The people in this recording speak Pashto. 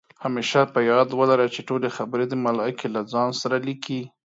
همېشه په یاد ولره، چې ټولې خبرې دې ملائکې له ځان سره لیکي